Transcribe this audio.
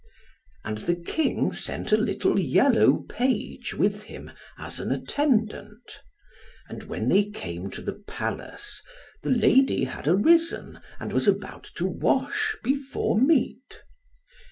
And the King sent a little yellow page with him as an attendant; and when they came to the palace, the lady had arisen, and was about to wash before meat.